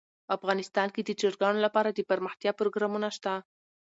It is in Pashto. افغانستان کې د چرګانو لپاره دپرمختیا پروګرامونه شته.